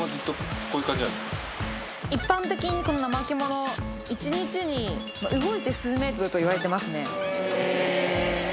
一般的にこのナマケモノ一日に動いて数ｍといわれてますね。